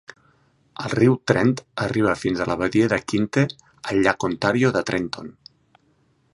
El riu Trent arriba fins a la Badia de Quinte al llac Ontario de Trenton.